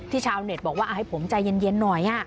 ชาวเน็ตบอกว่าให้ผมใจเย็นหน่อย